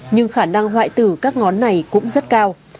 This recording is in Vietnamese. nhưng khả năng hoại tử các ngón này cũng rất cao